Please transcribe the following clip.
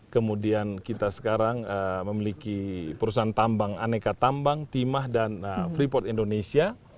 kemudian kita sekarang memiliki perusahaan tambang aneka tambang timah dan freeport indonesia